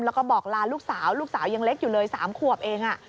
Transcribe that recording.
แล้วก็บอกลาลูกสาวลูกสาวยังเล็กอยู่เลย๓ขวบเอง